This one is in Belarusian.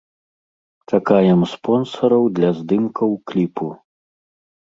Чакаем спонсараў для здымкаў кліпу!